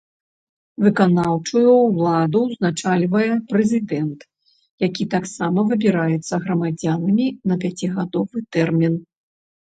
Выканаўчую ўладу ўзначальвае прэзідэнт, які таксама выбіраецца грамадзянамі на пяцігадовы тэрмін.